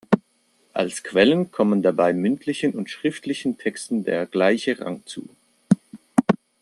Als Quellen kommen dabei mündlichen und schriftlichen Texten der gleiche Rang zu.